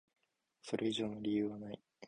それ以上の理由はない。